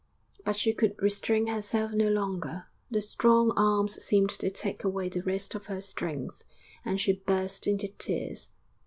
But she could restrain herself no longer; the strong arms seemed to take away the rest of her strength, and she burst into tears.